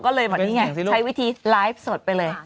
ก็เลยเหมือนนี่ไงใช้วิธีไลฟ์สดไปเลย